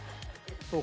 そう。